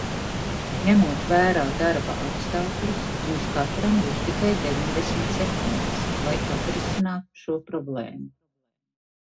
Ņemot vērā darba apstākļus, jums katram būs tikai deviņdesmit sekundes, lai atrisinātu šo problēmu.